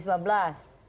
sejarah kerja sama